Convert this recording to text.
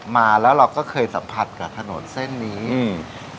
มาแล้วเราก็เคยสัมผัสกับถนนเส้นนี้อืม